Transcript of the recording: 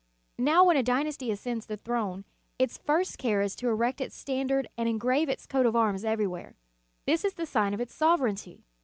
Now when a dynasty ascends the throne, its first care is to ereqt its standard and engrave its coat of arms everywhere. This is the sign of its sovereignty.